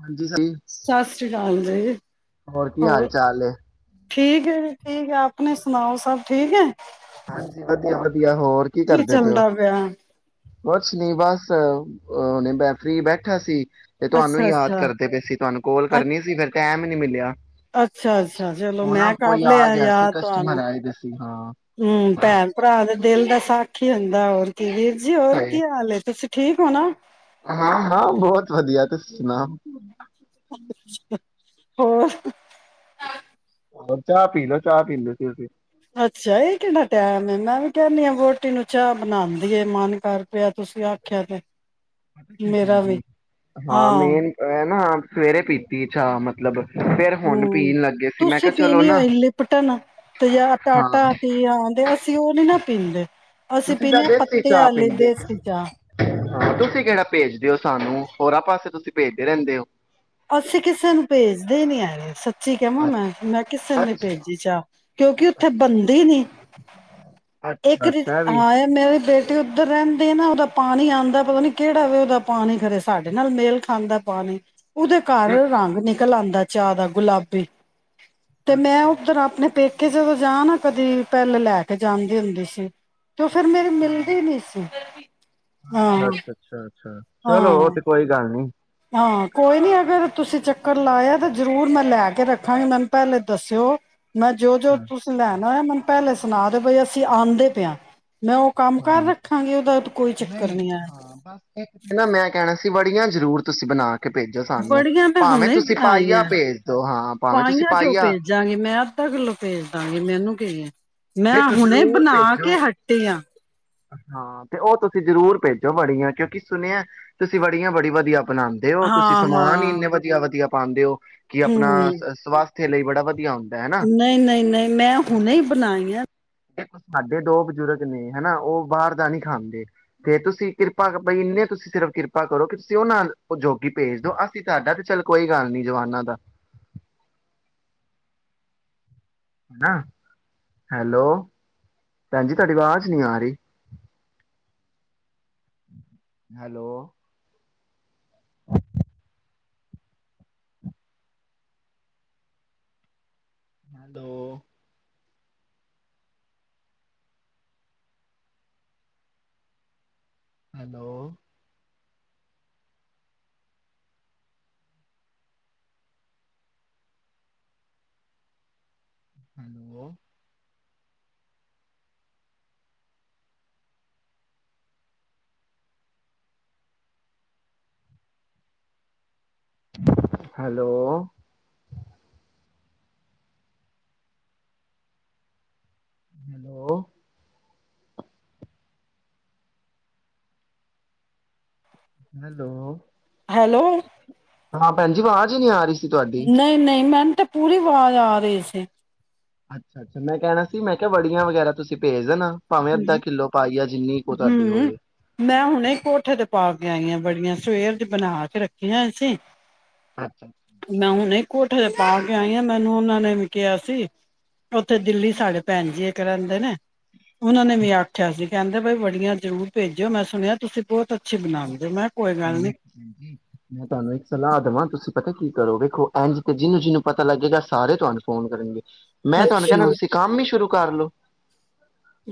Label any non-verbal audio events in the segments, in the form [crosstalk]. ਹਾਂਜੀ ਸਹੀ ਸਤਿ ਸ੍ਰੀ ਅਕਾਲ ਜੀ ਹੋਰ ਕੀ ਹਾਲ ਚਾਲ ਠੀਕ ਹੈ ਜ ਠੀਕ ਹੈ ਆਪਣੇ ਸੁਣਾਓ ਸਭ ਠੀਕ ਹੈ ਹਾਂਜੀ ਵਧੀਆ ਵਧੀਆ ਹੋਰ ਕੀ ਕਰਦੇ ਪਏਓ ਚੱਲਦਾ ਪਿਆ ਕੁਛ ਨੀ ਬਸ ਉਹਨੇ ਮੈਂ ਫਰੀ ਬੈਠਾ ਸੀ ਤੇ ਤੁਹਾਨੂੰ ਅੱਛਾ ਯਾਦ ਅੱਛਾ ਕਰਦੇ ਪਏ ਅਸੀਂ ਤੁਹਾਨੂੰ ਕੋਲ ਅ ਕਰਨੀ ਸੀ ਫਿਰ ਟਾਈਮ ਨਹੀਂੀ ਮਿਲਿਆ ਅੱਛਾ ਅੱਛਾ ਚਲੋ ਉਹ ਨਾ ਮੈਂ ਕਰ ਕੋਈ ਆ ਲਿਆ ਗਿਆ ਸੀ ਯਾਦ ਕਸਟਮਰ ਤੁਹਾਨੂੰ ਆਏ ਦੇ ਸੀ ਹਾਂ ਹਮ ਭੈਣ ਭਰਾ ਦੇ ਦਿਲ ਦਾ ਸਾਖ ਹੀ ਹੁੰਦਾ ਰ ਕਿਵਰ ਜੀ ਹੋਰ ਸਹੀ ਕੀ ਹਾਲ ਤੁਸੀਂ ਠੀਕ ਹੋ ਨਾ, ਹਾਂ ਹਾਂ ਬਹੁਤ ਵਧੀਆ ਤੁਸੀ ਸੁਣਾਓ। ਅੱਛਾ। ਹੋਰ ਹੁਣ ਚਾਅ ਪੀ ਲੋ, ਚਾਅ ਪੀਣ ਨੂੰ ਕੀ ਸੀ। ਅੱਛਾ ਇਹ ਕਿਹੜਾ ਟੈਮ ਏ, ਮੈਂ ਵੀ ਕਹਿੰਨੀ ਆ ਵੋਟੀ ਨੂੰ ਚਾਅ ਬਣਾਂਦੀ ਏ। ਮਨ ਕਰ ਪਿਐ ਤੁਸੀ ਆਖਿਐ ਤੇ। ਮੇਰਾ ਵੀ ਹਾਂ, ਮੇਨ ਐ ਨਾ ਸਵੇਰੇ ਪੀਤੀ ਏ ਚਾਹ ਮਤਲਬ ਫਿਰ ਹੁਣ ਹੂੰ, ਪੀਣ ਲੱਗੇ ਸੀ ਮੈਂ ਤੁਸੀਂ ਕਿਹਾ ਚਲੋ ਪੀਣੀ ਨਾ ਹੋਈ ਲਿਪਟਨ ਤੇ ਯਾਂ ਹਾਂ ਟਾਟਾ ਟੀ ਆਂਦੇ, ਅਸੀਂ ਉਹ ਨੀ ਨਾ ਪੀਂਦੇ ਅਸੀਂ ਤੁਸੀ ਪੀਂਦੇ ਤਾਂ ਹਾਂ ਦੇਸੀ ਪੱਤੇ ਚਾਅ ਆਲੀ ਪੀਂਦੇ ਔ। ਦੇਸੀ ਚਾਹ। ਹਾਂ, ਤੁਸੀਂ ਕਿਹੜਾ ਭੇਜਦੇਔ। ਸਾਨੂੰ ਹੋਰਾਂ ਪਾਸੇ ਤੁਸੀ ਭੇਜਦੇ ਰਹਿੰਦੇ ਔ। ਅਸੀ ਕਿਸੇ ਨੂੰ ਭੇਜਦੇ ਨਈ ਹੈਗੇ, ਸ ਚੀ ਕੇ ਆ ਵਾਂ ਮੈਂ ਅੱਛਾ ਮੈਂ ਕਿਸੇ ਨਈ ਅੱਛਾ ਭੇਜੀ ਚਾਹ ਕਿਉਂਕਿ ਉੱਥੇ ਬੰਨਦੀ ਨੀ। ਅੱਛਾ ਇੱਕ [unintelligible] ਅੱਛਾ ਵੀ ਤੇ ਉੱਧਰ ਰਹਿੰਦੇ ਨਾ ਉਹਦਾ ਪਾਣੀ ਆਂਦੈ ਪਤਾ ਨੀ ਕਿਹੜਾ ਵੇ ਉਹਦਾ ਪਾਣੀ ਖਰੇ ਸਾਡੇ ਨਾਲ ਮੇਲ ਖਾਂਦੈ ਪਾਣੀ। ਉਦੇ ਘਰ ਰੰਗ ਨਿ ਕੱਲ ਆਂਦੈ ਚਾਅ ਦਾ ਗੁਲਾਬੀ। ਤੇ ਮੈਂ ਅੱਛਾ ਉੱਧਰ ਅੱਛਾ ਆਪਣੇ ਪੇਕੇ ਜਦੋਂ ਜਾ ਆਨਾ ਕਦੀ ਪਹਿਲੇ ਲੈ ਕੇ ਜਾਂਣ। ਹੁੰਦੇ ਸੀ। ਤੋ ਫਿਰ ਮੇਰੇ ਹਾਂ ਮਿਲਦੀ ਨੀ ਸੀ। ਹਾਂ ਅੱਛਾ, ਅੱਛਾ, ਅੱਛਾ। ਚਲੋ ਉਹ ਹਾਂ। ਤੇ ਕੋਈ ਗੱਲ ਹੈਨੀ। ਹਾਂ ਕੋਈ ਨੀ ਅਗਰ ਤੁਸੀ ਚੱਕਰ ਲਾਇਆ ਤੇ ਜਰੂਰ ਮੈਂ ਲੈ ਕੇ ਰੱਖਾਂਗੀ ਮੈਨੂੰ ਪਹਿਲੇ ਦੱਸਿਓ। ਮੈਂ ਜੋ ਜੋ ਹਾਂ ਤੁਸੀ ਲੈਣੈ ਮੈਨੂੰ ਪੈਲੇ ਸ ਸੁਣਾ ਦੇ ਭਈ ਅਸੀਂ ਆਉਂਦੇ ਪਏ ਹਾਂ। ਮੈਂ ਉਹ ਕੰਮ ਕਰ ਰੱਖਾਂਗੀ ਉਹਦਾ ਤੇ ਕੋਈ ਚੱਕਰ ਨਹੀਂ ਨੀ ਐ। ਤੇ ਬੜੀਆਂ ਜ਼ਰੂਰ ਤੁਸੀ ਬਣਾ ਕੇ ਭੇਜੋ ਸਾਨੂੰ ਬੜੀਆਂ ਮੈਂ ਭਾਵੇਂ ਹੁਣੇ ਈ ਤੁਸੀਂ ਪਾਈਆ ਬਣਾਈਐਂ। ਭੇਜ ਦੋ ਹਾਂ ਭਾਵੇਂ ਤੁਸੀਂ ਪਾਈਆਂ ਕਿਉਂ ਪਾਈਆ ਭੇਜਾਂਗੀ ਮੈਂ ਅੱਧਾ ਕਿੱਲੋ ਭੇਜ ਦਾਂਗੀ ਮੈਨੂੰ ਏ ਮੈਂ ਦੇਖੋ ਹੁਣੇ ਜ਼ਰੂਰ ਬਣਾ ਭੇਜੋ ਕੇ ਹੱਟੀ ਆਂ। ਹਾਂ ਤੇ ਉਹ ਤੁਸੀ ਜ਼ਰੂਰ ਭੇਜੋ ਵੜੀਆਂ ਕਿਉਂਕਿ ਸੁਣਿਐ ਤੁਸੀ ਵੜੀਆਂ ਬੜੀ ਵਧੀਆ ਬਣਾਉਂਦੇ ਔ ਤੁਸੀ ਹਾਂ ਸਮਾਨ ਈ ਹਾਂ ਇੰਨੇ ਵਧੀਆ-ਵਧੀਆ। ਪਾਂਦੇ ਔ। ਕਿ ਆਪਣਾ ਹਮ ਸਵਸਥ ਥੇ ਲਈ ਬੜਾ ਵਧਆ ਹੁੰਦ ਨਹੀਂ, ਨਹੀਂ, ਨਹੀਂ ਮੈਂ ਹੁਣੇ ਈ ਬਣਾਈ ਆ। ਸਾਡੇ ਦੋ ਬਜ਼ੁਰਗ ਨੇ ਹਨਾ, ਉਹ ਬਾਹਰ ਦਾ ਨੀ ਖਾਂਦੇ ਤੇ ਤੁਸੀਂ ਕਿਰਪਾ ਕ ਬਈ ਇੰਨੇ ਤੁਸੀਂ ਸਿਰਫ ਕਿਰਪਾ ਕਰੋ ਕਿ ਤੁਸੀਂ ਉਹ ਨਾ ਜੋਗੀ ਭੇਜ ਦੋ, ਅਸੀਂ ਸਾਡਾ ਤੇ ਚੱਲ ਕੋਈ ਗੱਲ ਨੀ ਜਵਾਨਾਂ ਦਾ। ਨਾ ਹੈਲੋ, ਭੈਣ ਜੀ ਤਾਡੀ ਵਾਜ਼ ਨੀ ਆ ਰਹੀ। Hello. Hello hello hello hello hello. Hello hello ਭੈਣਜੀ ਆਵਾਜ਼ ਹੀ ਨੀ ਆ ਰਹੀ ਸੀ ਤੁਹਾਡੀ ਨਹੀਂ, ਨਹੀਂ ਮੈਨ ਤੇ ਪੂਰੀ ਆਵਾਜ਼ ਆ ਰਹੀ ਸੀ। ਅੱਛਾ, ਅੱਛਾ ਮੈਂ ਕਹਿਣਾ ਸੀ, ਮੈਂ ਕਿਹਾ ਵੜੀਆਂ ਵਗੈਰਾ ਤੁਸੀਂ ਭੇਜ ਦੇਣਾ। ਭਾਵੇਂ ਅੱਧਾ ਹਮ, ਕਿੱਲੋ ਪਾਈ ਆ ਜਿੰਨੀ ਕੁ ਤੁਹਾਡੀ ਹਮ ਹੋਏ ਮੈਂ ਹੁਣੇ ਕੋਠੇ ਤੇ ਪਾ ਕੇ ਗਈਆਂ ਬੜੀਆਂ ਸਵੇਰ ਚ ਬਣਾ ਕੇ ਰੱਖੀਆਂ ਅਸੀਂ ਅੱਛਾ ਅੱਛਾ। ਕੋਠੇ ਤੇ ਪਾ ਕੇ ਆਈ ਆ, ਮੈਨੂੰ ਉਹਨਾਂ ਨੇ ਵੀ ਕਿਹਾ ਸੀ। ਉੱਥੇ ਦਿੱਲੀ ਸਾਡੇ ਭੈਣ ਜੀ ਇੱਕ ਰਹਿੰਦੇ ਨੇ ਉਹਨਾਂ ਨੇ ਵੀ ਆਖਿਆ ਸੀ। ਕਹਿੰਦੇ ਬਾਈ ਬੜੀਆਂ ਜ਼ਰੂਰ ਭੇਜਿਓ ਮੈਂ ਸੁਣਿਆ ਤੁਸੀਂ ਬਹੁਤ ਅੱਛੀ ਬਣਾਉਣਦੇ ਹੋ ਮੈਂ ਕੋਈ ਗੱਲ ਹਮ ਨੀ ਹਮ। ਮੈਂ ਤਾਨੂੰ ਇੱਕ ਸਲਾਹ ਦਵਾਂ ਤੁਸੀਂ ਪਤਾ ਕੀ ਕਰੋ ਵੇਖੋ ਇਂਝ ਤੇ ਜਿਹਨੂੰ, ਜਿਹਨੂੰ ਪਤਾ ਲੱਗੇਗਾ ਸਾਰੇ ਤੁਹਾਨੂੰ ਫੋਨ ਕਰਨਗੇ ਮੈਂ ਤੁਹਾਨੂੰ ਕਹਿਣਾ ਅੱਛਾ ਤੁਸੀਂ ਕੰਮ ਹੀ ਸ਼ੁਰੂ ਕਰਲੋ।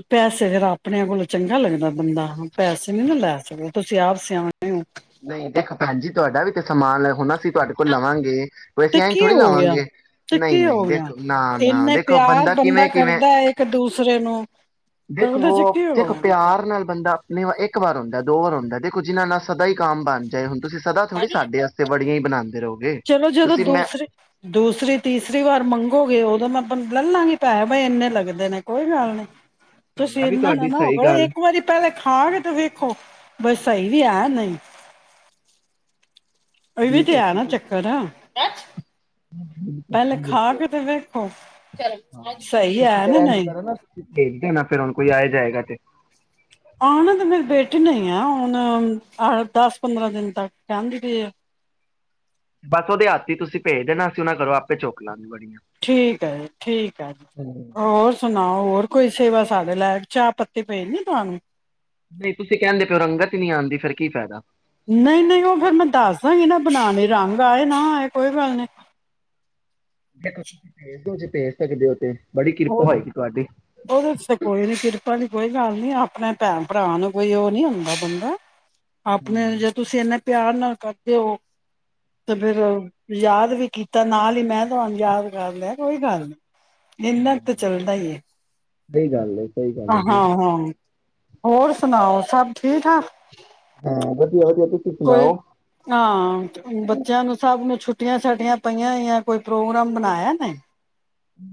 ਪੈਸੇ ਫਿਰ ਆਪਣੇਆਂ ਕੋਲੋਂ ਚੰਗਾ ਲੱਗਦਾ ਬੰਦਾ, ਪੈਸੇ ਨੀ ਨਾ ਲੈ ਸਕਦੇ। ਤੁਸੀਂ ਆਪ ਸਿਆਣੇ ਓ। ਨਹੀਂ ਦੇਖੋ ਭੈਣ ਜੀ, ਤੁਹਾਡਾ ਵੀ ਤੇ ਸਮਾਨ ਹੁਣ ਅਸੀਂ ਤੁਆਡੇ ਕੋਲੋ ਲਵਾਂਗੇ। ਵੈਸੇ ਤੇਿੱ ਐਂ ਕੀ ਥੋੜ੍ਹੀ ਹੋ ਗਿਆ ਲਵਾਂਗੇ ਨਹੀਂ ਚਿੱਕੀ ਹੋ ਨਹੀਂ ਗਿਆ ਦੇਖੋ ਨਾ ਨਾ ਇੰਨੇ ਦੇਖੋ ਪਿਆਰ ਬੰਦਾ ਕਿਵੇਂ ਕਿਵੇਂ ਕਰਦਾ ਹੈ ਇੱਕ ਦੂਸਰੇ ਨੂੰ ਤੇ ਉਹਦੇ ਚ ਕੀ ਹੋ ਗਿਆ। ਨਹੀਂ ਓ ਇੱਕ ਵਾਰ ਹੁੰਦੈ, ਦੋ ਵਾਰ ਹੁੰਦੈ ਦੇਖੋ ਜਿਹਨ੍ਹਾਂ ਨਾਲ ਸਦਾ ਈ ਕਮ ਬਣ ਜਾਏ ਹੁਣ ਤੁਸੀਂ ਸਦਾ ਥੋੜੀ ਸਾਡੇ ਆਸਤੇ ਵਡ ੜੀਆਂ ਬਣਾਉਦੇ ਚਲੋ ਜਦੋਂ ਦੂਸਰੀ ਦੂਸਰੀ ਤੀਸਰੀ ਵਾਰ ਮੰਗੋਗੇ ਉਦੋਂ ਮੈਂ ਲੱਲਾਂਗੇ ਪੈ ਬ ਇੰਨੇ ਲੱਗਦੇ ਨੇ ਕੋਈ ਗੱਲ ਨਹੀਂ ਤੁਸੀਂ ਕਰਨਾ ਵੀ ਇਹਨਾ ਨਾ ਤੁਹਾਡੀ ਨਾ ਓ ਸਹੀ ਕਰੋ, ਗੱਲ ਇੱਕ ਵਾਰੀ ਪਹਿਲੇ ਖਾਹ ਕੇ ਤੇ ਵੇਖੋ। ਬਸ ਸਹੀ ਵੀ ਹੈ, ਨਹੀਂ। ਵੇਂ ਠੀਕ ਤੇ ਹੈ ਆ ਨਾ ਚੱਕਰ ਬਿਲਕੁਲ ਪਹਿਲੇ ਜੀ ਖਾ ਬਿਲਕੁਲ, ਕੇ ਤੇ ਵੇਖੋ ਹਾਂ ਸਹੀ ਤੁਸੀਂ ਹੈ ਫੇਰ ਨਾ ਇਝ ਨਹੀਂ ਕਰੋ ਨਾ ਭੇਜ ਦੇਣਾ ਹੁਣ ਕੋਈ ਆਏ ਤੇ ਹੈਗਾ ਤੇ। ਆਹ ਨਾ ਤੇ ਮੇਰੀ ਬੇਟੀੇ ਨਹੀਂ ਆ ਹੁਣ ਦਸ ਪੰਦਰਾਂ ਦਿਨ ਤੱਕ ਕਹਿੰਦੀ ਪਈ ਆ ਬਸ ਉਹਦੇ ਹੱਥ ਤੁਸੀਂ ਭੇਜ ਦੇਣਾ ਸੀ ਉਹਨਾ ਘਰੋ ਆਪੇ ਚੁਕ ਲਾਂਗੇ ਵੜੀਆਂ ਠੀਕ ਹੈ, ਠੀਕ ਹੈ, ਹੋਰ ਸੁਣਾ ਹੋਰ ਕੋਈ ਸੇਵਾ ਸਾਡੇ ਲੈ, ਚਾਹ ਪੱਤੀ ਪੇਜਣੀ ਤੁਹਾਨੂੰ ਨਹੀਂ, ਤੁਸੀਂ ਕਹਿੰਦੇ ਪਿਓ ਰੰਗਤ ਹੀ ਨਹੀਂ ਆਉਂਦੀ, ਫਿਰ ਕੀ ਫਾਇਦਾ ਨਹੀਂ, ਨਹੀਂ ਉਹ ਫੇਿਰ ਮੈਂ ਦੱਸ ਦਾਂਗੀ ਨਾ ਬਣਾਣੇ ਰੰਗ ਆਏ ਨਾ, ਆਏ ਕੋਈ ਗੱਲ ਨਹੀਂੀ ਭੇਜ ਦਿਉ, ਜੇ ਭੇਜ ਸਕਦੇ ਹੋ ਤੇ ਬੜੀ ਕਿਰਪਾ ਉਹ ਹੋਏਗੀ ਤੁਹਾਡੀ ਉਹਦੇ ਚ ਤੇ ਕੋਈ ਨੀ ਕਿਰਪਾ ਦੀ ਕੋਈ ਗੱਲ ਨੀ ਆਪ ਆਪਣੇ ਭੈਣ, ਭਰਾ ਨੂੰ ਕੋਈ ਉਹ ਨੀ ਹੁੰਦਾ ਬੰਦਾ ਆਪਣੇ, ਜੇ ਤੁਸੀਂ ਇਹਨਾ ਪਿਆਰ ਨਾਲ ਕਦੇ ਉਹ, ਤੇ ਫੇਿਰ ਯਾਦ ਵੀ ਕੀਤਾ ਨਾਲ ਹੀ, ਮੈਂ ਤੁਹਾਨੂੰ ਯਾਦ ਕਰ ਲਿਆ ਕੋਈ ਗੱਲ ਨ ਇਨਾ ਕੁ ਹਾਂ ਤਾਂ ਚੱਲਦਾ ਈ ਐ। ਸਹੀ ਗੱਲ ਏ, ਸਹੀ ਗੱਲ ਹਾਂ, ਏ ਜੀ। ਹਾਂ। ਹੋਰ ਸੁਣਾਓ, ਸਭ ਠੀਕ, ਠਾਕ ਹਾਂ [unintelligible] ਕੋਈ ਹਾਂ, ਬੱਚਿਆਂ ਨੂੰ ਸਭ ਛੁੱਟੀਆਂ ਸਾਡੀਆਂ ਪਈਆਂ ਹੋਈਆਂ, ਕੋਈ ਪ੍ਰੋਗਰਾਮ ਬਣਾਇਆ ਨੇ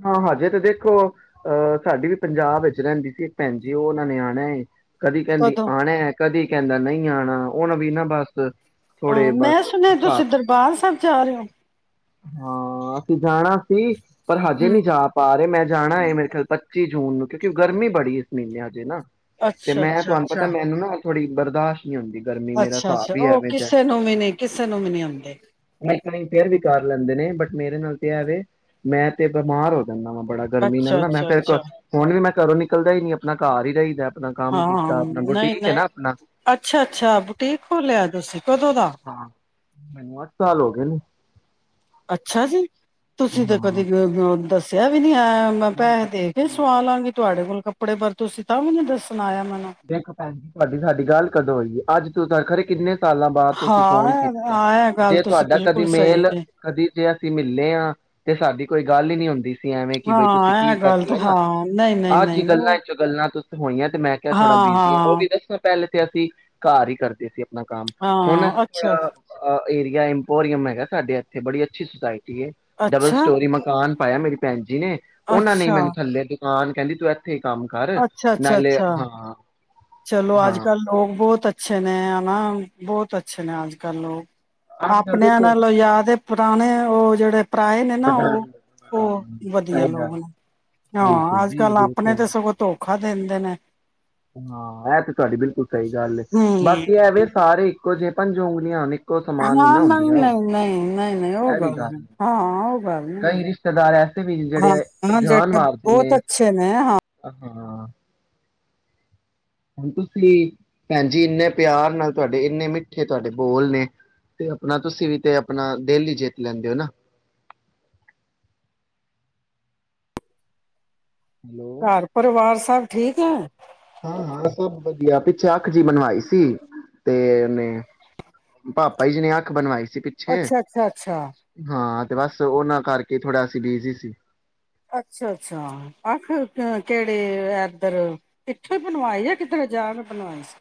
ਹਾਂ, ਹਜੇ ਤੇ ਦੇਖੋ, ਅਹ ਸਾਡੀ ਵੀ ਪੰਜਾਬ ਵਿੱਚ ਰਹਿੰਦੀ ਸੀ ਇੱਕ ਭੈਣਜੀ ਉਹ ਉਹਨਾਂ ਨੇ ਆਣਾ ਏ ਕਦੀ ਕਹਿੰਦੀ ਕਦੋਂ ਆਉਣਾ, ਕਦੀ ਕਹਿੰਦਾ ਨਹੀਂ ਆਉਣਾ ਉਨੂੰ ਵੀ ਨਾ ਬਸ ਥੋੜੇ ਹਾਂ ਮੈਂ ਬਸ ਸੁਣਿਆ ਹਿਸਾਬ, ਤੁਸੀਂ ਦਰਬਾਰ ਸਾਹਿਬ ਜਾ ਰਹੇ ਹੋ ਅਸੀਂ ਜਾਣਾ ਸੀ ਪਰ ਹਜੇ ਹਮ ਨਹੀਂੀ ਜਾ ਪਾ ਅਰੇ, ਮੈਂ ਜਾਣਾ ਹੈ ਮੇਰੇ ਖਿਆਲ ਪੱਚੀ ਜੂਨ ਨੂੰ, ਕਿਉਂਕਿ ਗਰਮੀ ਬੜੀ ਇਸ ਮਹੀਨੇ ਹਜੇ ਨਾ ਤੇ ਅੱਛਾ ਮੈਂ ਅੱਛਾ ਤੁਹਾਨੂੰ ਪਤਾ, ਅੱਛਾ ਮੈਨੂੰ ਨਾ ਥੋੜੀ ਬਰਦਾਸ਼ਤ ਹੁੰਦੀ ਗਰਮੀ ਮੇਰਾ ਅੱਛਾ ਹਿਸਾਬ ਅੱਛਾ ਵੀ ਉਹ ਐਵੇ ਦਾ, ਕਿਸੇ ਨੂੰ ਵੀ ਨਹੀਂ ਕਿਸੇ ਨੂੰ ਵੀ ਨਹੀਂ ਆਉਂਦੇ ਫਿਰ ਵੀ ਕਰ ਲੈਂਦੇ ਨੇ ਬਟ ਮੇਰੇ ਨਾਲ ਤੇ ਐ ਵੇ ਮੈਂ ਤੇ ਬਿਮਾਰ ਹੋ ਜਾਂਦਾ ਵਾ, ਬੜਾ ਗਰਮੀ ਨਾਲ ਅੱਛਾ ਨਾ ਮੈਂ ਅੱਛਾ ਫੇਿਰ, ਇੱਕ ਅੱਛਾ ਫੋਨ ਵੀ ਮੈਂ ਘਰੋਂ ਨਿਕਲਦਾ ਹੀ ਨੀ, ਆਪਣੇ ਘਰ ਹੀ ਰਹੀਦਾ ਆਪਣਾ ਕੰਮ ਹਾਂ, ਕੀਤਾ ਆਪਣਾ ਨਹੀਂ, ਬੁਟੀਕ ਹੈ ਨਾ ਨਹੀਂ ਆਪਣਾ ਅੱਛਾ, ਅੱਛਾ ਬੁਟੀਕ ਖੋਲਿਆ ਤੁਸੀਂ ਕਦੋਂ ਦਾ ਹਾਂ ਮੈਨੂੰ, ਅੱਠ ਸਾਲ ਹੋ ਗਏ ਨੇ ਅੱਛਾ ਜੀ ਹਾਂ ਤੁਸੀਂ ਤਾਂ ਕਦੇ ਮੇਰੇ ਨਾਲ ਦੱਸਿਆ ਵੀ ਨਹੀਂ ਮ ਮੈਂ ਨਹੀਂ ਪੈਸੇ ਪਤਾ ਦੇ ਕੇ ਕੀ ਸਵਾ ਲਾਂਗੀ ਤੁਹਾਡੇ ਕੋਲ ਕੱਪੜੇ ਪਰ ਤੁਸੀਂ ਤਾਂ ਮੈਨੂੰ ਦੱਸ ਆਇਆ ਦੇਖੋ ਭੈਣ ਜੀ ਤੁਹਾਡੀ ਸਾਡੀ ਗੱਲ ਕਦੋਂ ਹੋਈ ਐ ਅੱਜ ਸਰ ਖਰੇ ਕਿੰਨੇ ਸਾਲਾਂ ਬਾਅਦ ਤੁਸੀਂ ਫੋਨ ਹਾਂ ਕੀਤਾ ਹਾਂ ਇਹ ਗੱਲ ਜੇ ਤੁਸੀਂ ਤੁਹਾਡਾ ਕਦੀ ਬਿਲਕੁਲ ਸਹੀ ਮੇਲ ਏ ਕਦੀ ਜੇ ਅਸੀਂ ਮਿਲੇ ਹਾਂ ਤੇ ਸਾਡੀ ਕੋਈ ਗੱਲ ਹੀ ਨੀ ਹੁੰਦੀ ਐਵੇਂ ਕਿ ਬਈ ਤੁਸੀਂ ਹਾਂ ਕੀ ਇਹ ਗੱਲ ਕਰਦੇ ਤਾਂ ਹੋ ਨਾ ਹਾਂ ਨਹੀਂ ਨਹੀਂ ਆਹ ਨਹੀਂ ਜੀ ਨਹੀਂ ਗੱਲਾਂ ਉਹ ਚੋਂ ਗੱਲਾਂ ਤੁ ਹੋਈਆਂ ਤੇ ਕ ਥੋੜਾ ਹਾਂ ਬਿਜੀ ਆ ਉਹ ਹਾਂ ਵੀ ਦੱਸੋ ਪਹਿਲੇ ਅਸੀਂ ਘਰ ਹੀ ਕਰਦੇ ਸੀ ਆਪਣਾ ਕੰਮ ਹੁਣ ਹਾਂ ਅਸੀਂ ਅੱਛਾ ਥੋੜਾ ਆ ਏਰੀਆ ਇੰਪੋਰੀਅਮ ਹੈਗਾ ਸਾਡੇ ਇਥੇ ਬੜੀ ਅੱਛੀ ਸੁਸਾਇਟੀ ਡਬਲ ਅੱਛਾ ਸਟੋਰੀ ਮਕਾਨ ਪਾਇਆ ਮੇਰੀ ਭੈਣ ਜੀ ਨੇ ਉਹਨਾਂ ਨੇ ਅੱਛਾ ਮੈਨੂੰ ਥੱਲੇ ਹਾਂ ਤੂੰ ਕਹਿੰਦੀ ਇੱਥੇ ਕੰਮ ਕਰ ਅੱਛਾ ਅੱਛਾ ਨਾਲੇ ਆ ਅੱਛਾ ਹਾਂ ਚਲੋ ਅੱਜ ਕੱਲ ਲੋਕ ਬਹੁਤ ਅੱਛੇ ਅੱਛ ਨੇ ਹੈ ਨਾ ਬਹੁਤ ਅੱਛੇ ਨੇ ਅੱਜ ਕੱਲ ਲੋਕ ਅੱਜ ਕੱਲ ਆਪਣਿਆਂ ਦੇਖੋ ਨਾਲੋਂ ਯਾਦ ਪੁਰਾਣੇ ਉਹ ਜਿਹੜੇ ਭਰਾਏ ਨੇ ਨਾ ਵੱਡਾ ਉਹ ਉਹ ਵਧੀਆ ਸਹੀ ਗੱਲ ਲੋਕ ਨੇ ਬਿਲਕੁਲ ਹਾਂ ਅੱਜ ਜੀ ਕੱਲ ਆਪਣੇ ਬਿਲਕੁਲ ਤੇ ਸਗੋਂ ਧੋਖਾ ਦਿੰਦੇ ਨੇ ਹਾਂ ਇਹ ਤੇ ਤੁਹਾਡੀ ਬਿਲਕੁਲ ਸਹੀ ਗੱਲ ਐ ਬਾਕੀ ਹਮ ਐਵੇਂ ਸਾਰੇ ਇੱਕੋ ਜਿਹੇ ਪੰਜੋਂ [unintelligible] ਹਾਂ ਨਹੀਂ ਨਹੀਂ ਨਹੀਂ ਨਹੀਂ ਨਹੀਂ ਉਹ ਗੱਲ ਹੈ ਹਾਂ ਉਹ ਗੱਲ ਨਹੀਂ ਕਈ ਰਿਸ਼ਤੇਦਾਰ ਐੇ ਹਾਂ ਜਿਹੜੇ ਬਹੁਤ ਅੱਛੇ ਨੇ ਹਾਂ ਹਾਂ ਤੁਸੀਂ ਭੈਣ ਜ ਇੰਨੇ ਪਿਆਰ ਨਾਲ ਤੁਹਾਡੇ ਇੰਨੇ ਮਿੱਠੇ ਤੁਹਾਡੇ ਬੋਲ ਨੇ ਤੇ ਆਪਣਾ ਤੁਸੀਂ ਵੀ ਤੇ ਆਪਣਾ ਡੇਲੀ ਜਿੱਤ ਲੈਂਦੇ ਹੋ ਨਾ ਹੈਲੋ ਘਰ ਪਰਿਵਾਰ ਸਬ ਠੀਕ ਆ। ਹਾਂ ਹਾਂ ਸਭ ਵਧੀਆ ਪਿੱਛੇ ਅੱਖ ਜੀ ਬਣਵਾਈ ਸੀ ਤੇ ਉਹਨੇ ਪਾਪਾ ਜੀ ਨੇ ਅੱਖ ਬਣਵਾਈ ਸੀ। ਪਿੱਛੇ ਅੱਛਾ ਅੱਛਾ ਅੱਛਾ ਹਾਂ ਤੇ ਬਸ ਉਹਨਾਂ ਕਰਕੇ ਥੋੜ੍ਹਾ ਅਸੀਂ ਬਿਜੀ ਸੀ। ਅੱਛਾ ਅੱਛਾ ਆਖ ਕਿਹੜੇ ਏਧਰ ਕਿੱਥੋਂ ਬਣਵਾਏ ਆ ਕਿਧਰੋ ਜਾ ਕੇ ਬਣਵਾਏ ਸੀ।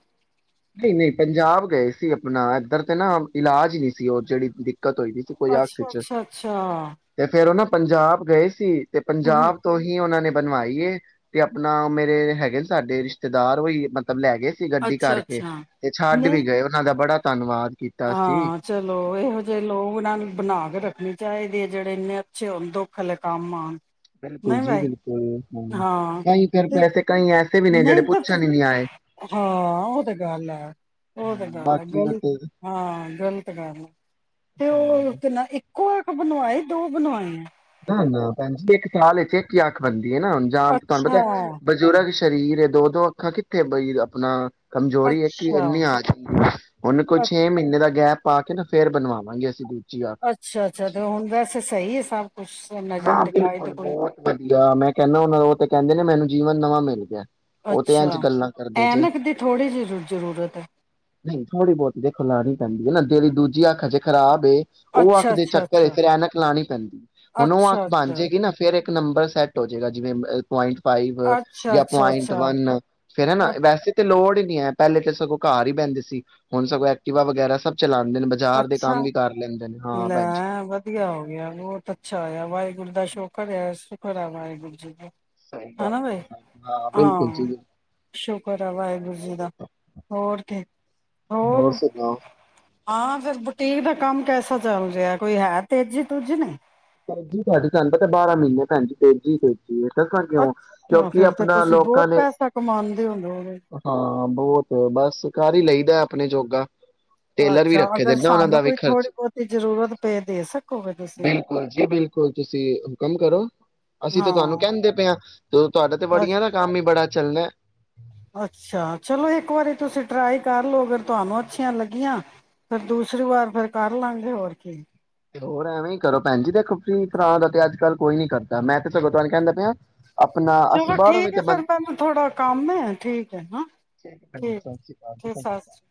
ਨਹੀਂ ਨਹੀਂ ਪੰਜਾਬ ਗਏ ਸੀ ਆਪਣਾ ਇੱਧਰ ਤੇ ਨਾ ਇਲਾਜ ਨਹੀਂ ਸੀ ਉਹ ਜਿਹੜੀ ਦਿੱਕਤ ਹੋਈ ਤੇ ਕੋਈ ਆਖ ਅੱਛਾ ਚ ਅੱਛਾ ਅੱਛਾ ਤੇ ਫੇਰ ਉਹ ਨਾ ਪੰਜਾਬ ਗਏ ਸੀ। ਤੇ ਹਮ ਪੰਜਾਬ ਤੋਂ ਹੀ ਉਹਨਾਂ ਨੇ ਬਣਾਈ ਏ ਤੇ ਆਪਣਾ ਮੇਰੇ ਹੈਗੇ ਨੇ ਸਾਡੇ ਰਿਸ਼ਤੇਦਾਰ ਉਹੀ ਮਤਲਬ ਲੈ ਕੇ ਗਏ ਸੀ ਗੱਡੀ ਅੱਛਾ ਕਰ ਤੇ ਅੱਛਾ ਤੇ ਛੱਡ ਨਹੀਂ ਵੀ ਗਏ ਉਹ ਸਾਨੂੰ ਦਾ ਬੜਾ ਧੰਨਵਾਦ। ਕੀਤਾ ਸੀ। ਹਾਂ ਚਲੋ ਇਹੋ ਜਿਹੇ ਲੋਕ ਨਾ ਬਣਾ ਕੇ ਰੱਖ ਚਾਹੇ ਦੇ ਜਿਹੜੇ ਇੰਨੇ ਅੱਛੇ ਹੁਨ ਦੁੱਖ ਵੇਲੇ ਕੰਮ ਆਉਣ। ਬਿਲਕੁਲ ਜੀ ਬਿਲਕੁਲ ਹਾਂ ਕਈ ਫਿਰ ਪੈਸੇ ਕਈ ਐ ਨਹੀਂ ਤਾਂ ਹਾਂ ਉਹ ਤੇ ਗੱਲ ਹੈ ਉਹ ਤੇ ਗੱਲ ਹੈ ਬਾਕੀ ਗਲਤ ਉਤੇ ਹਾਂ ਗਲਤ ਗੱਲ ਹੈ ਤੇ ਉਹ ਨਾ ਇੱਕ ਕੋਕ ਬਣਵਾਏ ਦੋ ਬਣਵਾਏ ਐ। ਹਾਂਜੀ ਹਾਂ ਭੈਣ ਜੀ ਇੱਕ ਸਾਲ ਵਿੱਚ ਇੱਕ ਹੀ ਆਖ ਬਣਦੀ। ਨਾ ਹੁਣ ਜਾਂ ਆ ਤੁਹਾਨੂੰ ਅੱਛਾ ਪਤਾ ਬਜ਼ੁਰਗ ਸਰੀਰ ਦੋ ਦੋ ਅੱਖਾਂ ਕਿੱਥੇ ਬਈ ਆਪਣਾ ਕਮਜ਼ੋਰੀ ਇੱਕ ਹੀ ਅੱਛਾ ਇਨੀ ਆ ਗਈ ਐ ਹੁਣ ਕੋਈ ਅ ਛੇ ਮਹੀਨੇ ਦਾ ਗੈਪ ਪਾ ਕੇ ਨਾ ਫੇਰ ਬਣਵਾਵਾਂਗੇ ਅਸੀਂ ਦੂਜ ਅੱਛਾ ਅੱਛਾ ਤੇ ਹੁਣ ਵੈਸੇ ਸਹੀ ਐ। ਹਾਂ ਬਿਲਕੁਲ ਬਹੁਤ ਵਧੀਆ ਮੈਂ ਕਹਿੰਦਾ ਉਹਨਾਂ ਉਹ ਤੇ ਕਹਿੰਦੇ ਨੇ ਮੈਨੂੰ ਜੀਵਨ ਨਵਾਂ ਮਿਲ ਗਿਆ। ਉਹ ਤੇ ਇੰਝ ਅੱਛਾ ਗੱਲਾਂ ਕਰਦੇ ਜੇ ਐਨਕ ਦੀ ਥੋੜ੍ਹੀ ਜਿਹੀ ਜ਼ਰੂਰਤ ਹੈ ਨਹੀਂ ਥੋੜ੍ਹੀ ਬਹੁਤੀ ਦੇਖੋ ਲਾ ਪੈਂਦੀ ਐ ਨਾ ਜਿਹੜੀ ਦੂਜੀ ਅੱਖਾਂ ਚ ਖਰਾਬ ਤੇ ਉਹ ਅੱਖ ਅੱਛਾ ਦੇ ਅੱਛਾ ਚੱਕਰ ਚ ਅੱਛਾ ਫਿਰ ਐਨਕ ਲਾਉਣੀ ਪੈਂਦੀ ਐ। ਉਹ ਅੱਖ ਅੱਛਾ ਬਣ ਅੱਛਾ ਜਾਏਗੀ ਨਾ ਫੇਰ ਐਹ ਇੱਕ ਨੰਬਰ ਸੈੱਟ ਹੋ ਜਾਏਗਾ ਜਿਵੇਂ ਪੁਆਇੰਟ ਫਾਈਵ ਅੱਛਾ ਜਾਂ ਅੱਛਾ ਪੁਆਇੰਟ ਅੱਛਾ ਵੰਨ, ਫੇਿਰ ਹੈਾ ਅ ਵੈਸੇ ਤਾਂ ਲੋੜ ਨੀ ਹੈ, ਪਹਿਲੇ ਤਾਂ ਸਗੋਂ ਘਰ ਹੀ ਬਹਿੰਦੇ ਸੀ, ਹੁਣ ਸਗੋਂ ਐਕਟੀਿਵਾ ਵਗੈਰਾ ਸਭ ਚਲਾਉਂਦੇ ਨੇ ਬਾਜ਼ਾਰ ਦੇ ਕੰਮ ਅੱਛਾ ਵੀ ਕਰ ਲੈਂਦੇ ਨੇ, ਹਾਂ ਲੈ ਭੈਣਜੀ ਵਧੀਆ ਹੋ ਗਿਆ ਬਹੁਤ ਅੱਛਾ ਹੋਇਆ, ਵਾਹਿਗੁਰੂ ਦਾ ਸ਼ੁਕਰ ਆ ਸ਼ੁਕਰ ਵਾਹਿਗੁਰੂ ਜੀ ਦਾ ਸਹੀ ਗੱਲ ਹਨਨਾ ਬਾਈ ਹੈ। ਬਿਲਕੁਲ ਹਾਂ, ਜੀ ਬਿਲਕੁਲ ਸ਼ੁਕਰ ਆ ਵਾਹਿਗੁਰੂ ਜੀ ਦਾ ਹੋਰ ਕੀ ਹੋਰ ਹਾਂ, ਫਿਰ ਬੁਟੀਕ ਦਾ ਕੰਮ ਕੈਸਾ ਚੱਲ ਰਿਹਾ, ਕੋਈ ਹੈ ਤੇਜ਼ੀ ਤੂਜੀ ਨਹੀਂ ਤੇਜੀ ਤੁਹਾਨੂੰ ਪਤਾ ਤੇ ਬਾਰਾਂ ਮਹੀਨੇ ਭੈਣਜੀ ਤੇਜੀ ਤੇਜ ਦੱਸਾਂ ਕਿਉਂ, ਅੱਛਾ ਕਿਉਂਕਿ ਫਿਰ ਤੇ ਆਪਣਾ ਤੁਸੀਂ ਬਹੁਤ ਲੋਕਾਂ ਨੇ ਪੈਸਾ ਕਮਾਉਂਦੇ ਹੁੰਦੇ ਹੋਗੇ ਹਾਂ ਬਹੁਤ ਬਸ ਕਾਰ ਹੀ ਲਈਦਾ ਆਪਣੇ ਜੋਗਾ ਟੇਲਰ ਵੀ ਅੱਛਾ, ਰੱਖੇ ਦੇ ਅਗਰ ਨਾ ਉਹਨਾਂ ਦਾ ਸਾਨੂੰ ਵੀ ਕੋਈ ਥੋੜੀ ਖਰਚ ਬਹੁਤੀ ਜ਼ਰੂਰਤ ਪਏ ਦੇ ਸਕੋਗੇ ਤੁਸੀਂ ਿਲ ਜੀ ਬਿਲਕੁਲ, ਤੁਸੀਂ ਹੁਕਮ ਕਰੋ ਅਸੀਂ ਤੇ ਹਾਂ ਤੁਹਾਨੂੰ ਕਹਿੰਦੇ ਪਏ ਹਾਂ ਜਦੋਂ ਤੁਹਾਡਾ ਤੇ ਬਸ ਵੜੀਆਂ ਦਾ ਕੰਮ ਹੀ ਬੜਾ ਚਲਣਾ ਅੱਛਾ, ਚਲੋ ਇੱਕ ਵਾਰੀ ਤੁਸੀਂ ਟਰਾਈ ਕਰ ਲਓ, ਅਗਰ ਤੁਹਾਨੂੰ ਅੱਛੀਆਂ ਲੱਗੀਆਂ ਫਿਰ ਦੂਸਰੀ ਵਾਰ ਫਿਰ ਕਰ ਲਾਗੇ ਹੋਰ ਕੀ ਹੋਰ ਐਵੇਂ ਹੀ ਕਰੋ ਭੈਣ ਜੀ, ਦੇਖੋ ਫਰੀ ਫਰਾ ਦਾ ਤੇ ਅੱਜ ਕੱਲ ਕੋਈ ਨੀ ਕਰਦਾ, ਮੈਂ ਤੇ ਸਗੋਂ ਤੁਹਾਨੂੰ ਕਹਿੰਦਾ ਪਿਆ ਆਪਣਾ ਅਸੀਂ ਚਲੋ, ਬਾਹਰੋਂ ਵੀ ਠੀਕ ਤੇ ਹੈ ਬੰਦ। ਫੇਿਰ ਮੈਨੂੰ ਥੋੜਾ ਕੰਮ ਹੈ ਠੀਕ ਹੈ ਸਤਿ ਸ਼੍ਰੀ ਠੀਕ ਅਕਾਲ ਜੀ ਸਤਿ ਸ੍ਰੀ